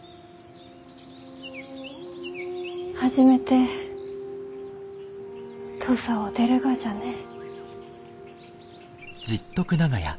初めて土佐を出るがじゃねえ。